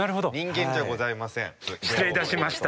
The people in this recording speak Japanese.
失礼いたしました。